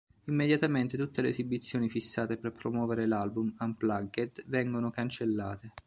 Immediatamente tutte le esibizioni fissate per promuovere l'album "Unplugged" vengono cancellate.